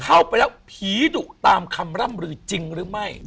เข้าไปแล้วผีดุตามคำร่ำลือจริงหรือไม่